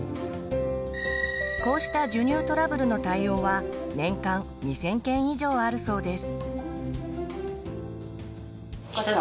こうした授乳トラブルの対応は年間２，０００件以上あるそうです。